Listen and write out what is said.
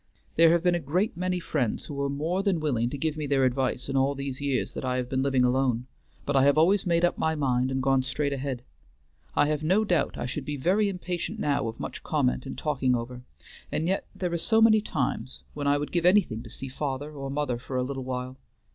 There have been a great many friends who were more than willing to give me their advice in all these years that I have been living alone; but I have always made up my mind and gone straight ahead. I have no doubt I should be very impatient now of much comment and talking over; and yet there are so many times when I would give anything to see father or mother for a little while.